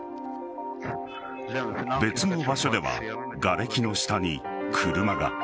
別の場所ではがれきの下に車が。